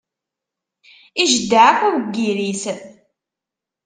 Ijeddeɛ akk aweggir-is.